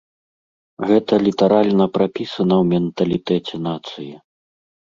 Гэта літаральна прапісана ў менталітэце нацыі.